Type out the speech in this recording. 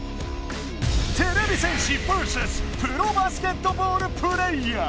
てれび戦士ｖｓ．プロバスケットボールプレーヤー。